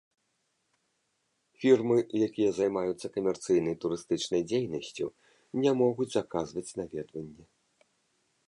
Фірмы, якія займаюцца камерцыйнай турыстычнай дзейнасцю, не могуць заказваць наведванне.